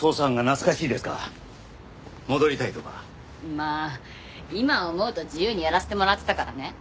まあ今思うと自由にやらせてもらってたからね。